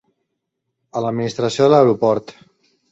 A l’administració de l’aeroport.